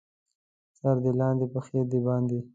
سر دې لاندې، پښې دې باندې.